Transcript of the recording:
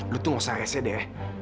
lu tuh nggak usah rese deh